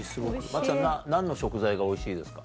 真木さん何の食材がおいしいですか？